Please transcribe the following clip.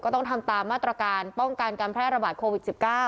ต้องทำตามมาตรการป้องกันการแพร่ระบาดโควิด๑๙